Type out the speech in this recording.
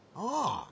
ああ。